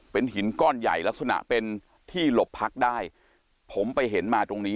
เป็นหินก้อนใหญ่ลักษณะเป็นที่หลบพักได้ผมไปเห็นมาตรงนี้